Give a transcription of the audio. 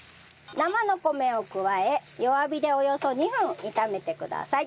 生の米を加え弱火でおよそ２分炒めてください。